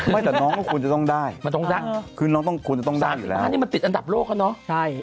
ไม่แต่น้องคงควรจะต้องได้คือน้องควรจะต้องได้อยู่แล้วนะครับสาธิตร้านนี้มันติดอันดับโลกแล้วเนอะ